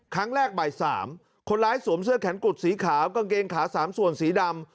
บ่าย๓คนร้ายสวมเสื้อแขนกุดสีขาวกางเกงขา๓ส่วนสีดำ